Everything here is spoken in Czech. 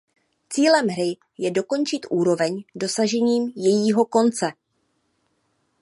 Cílem hry je dokončit úroveň dosažením jejího konce.